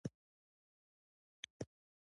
د سړک ښی لاس یوه شنه زرغونه سیمه ده.